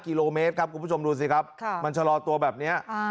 กิโลเมตรครับคุณผู้ชมดูสิครับมันชะลอตัวแบบนี้